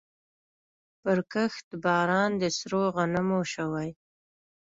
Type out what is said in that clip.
پرکښت باران د سرو غنمو شوی